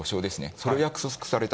それ、約束された。